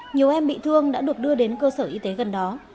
nhiều em bị thương đã được đưa đến cơ sở y tế gần đó